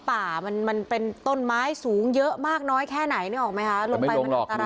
ป่ามันมันเป็นต้นไม้สูงเยอะมากน้อยแค่ไหนนี้ออกไหมคะรู้ไม่รู้ค่ะ